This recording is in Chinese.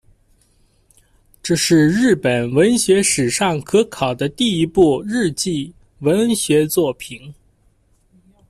这是日本文学史上可考的第一部日记文学作品。